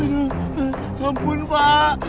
ya ampun pak